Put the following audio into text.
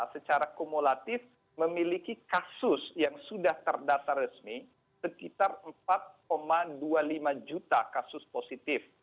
secara kumulatif memiliki kasus yang sudah terdata resmi sekitar empat dua puluh lima juta kasus positif